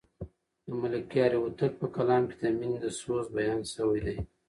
د ملکیار هوتک په کلام کې د مینې د سوز بیان شوی دی.